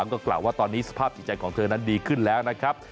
ก็กล่าวว่าตอนนี้สภาพจิตใจของเธอนั้นดีขึ้นแล้วนะครับ